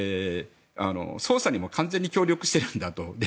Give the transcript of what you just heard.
捜査にも完全に協力しているんだと。